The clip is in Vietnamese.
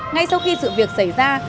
ngay sau khi sự việc xảy ra